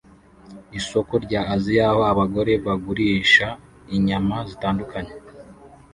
Isoko rya Aziya aho abagore bagurisha inyama zitandukanye